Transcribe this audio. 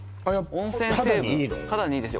温泉成分肌にいいですよ